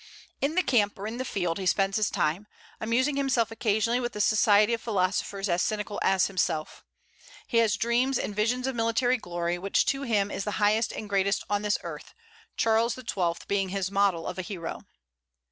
In the camp or in the field he spends his time, amusing himself occasionally with the society of philosophers as cynical as himself. He has dreams and visions of military glory, which to him is the highest and greatest on this earth, Charles XII. being his model of a hero.